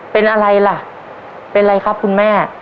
เป็นอะไรล่ะเป็นอะไรครับคุณแม่